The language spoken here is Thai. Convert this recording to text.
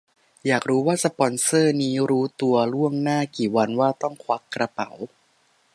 อยากรู้ว่าสปอนเซอร์นี่รู้ตัวล่วงหน้ากี่วันว่าต้องควักกระเป๋า